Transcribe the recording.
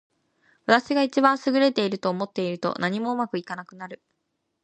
私が一番優れていると思っていると、何もうまくいかなくなる。